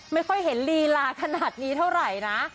ไม่ค่อยเห็นลีลาขนาดนี้เท่าไหร่นะ